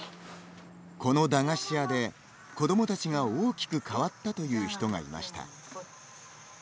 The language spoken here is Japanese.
この駄菓子屋で子どもたちが大きく変わったという人がいました。